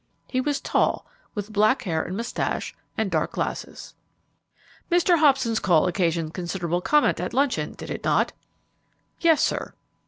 He was tall, with black hair and moustache and dark glasses." "Mr. Hobson's call occasioned considerable comment at luncheon, did it not?" "Yes, sir."